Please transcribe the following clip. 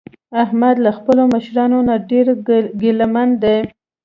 احمد له خپلو مشرانو نه ډېر ګله من دی.